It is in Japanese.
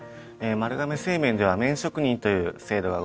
丸亀製麺では「麺職人」という制度がございます。